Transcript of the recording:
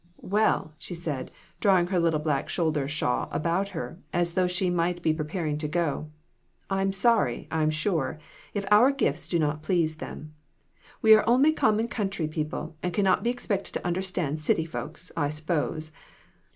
"Well," she said, drawing her little black shoulder shawl about her as though she might be preparing to go, "I'm sorry, I'm sure, if our gifts do not please them ; we are only common country people and can not be expected to understand city folks, I s'pose.